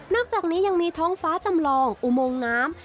อกจากนี้ยังมีท้องฟ้าจำลองอุโมงน้ำ